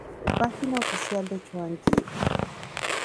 Página oficial de Chuang Yi